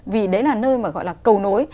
vì đấy là nơi mà gọi là cầu nối